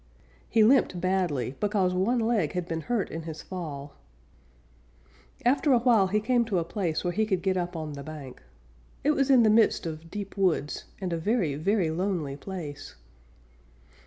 He limped badly because one leg had been hurt in his fall. After a while he came to a place where he could get up on the bank. It was in the midst of deep woods and a very, very lonely place.